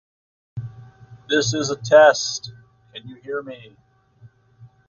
A few countries do not fully comply with these rules.